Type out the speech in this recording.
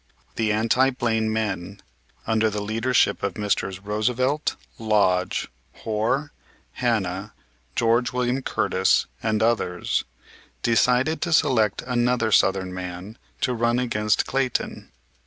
The anti Blaine men, under the leadership of Messrs. Roosevelt, Lodge, Hoar, Hanna, Geo. William Curtis and others, decided to select another Southern man to run against Clayton.